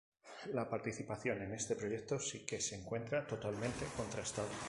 La participación en este proyecto si que se encuentra totalmente contrastada.